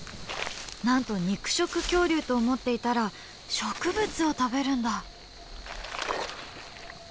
なんと肉食恐竜と思っていたら植物を食べるんだ。